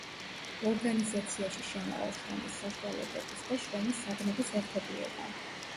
ორგანიზაციაში შემავალ შრომის საშუალებების და შრომის საგნების ერთობლიობა.